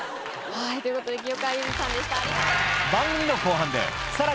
はいということで清川雄司さんでした。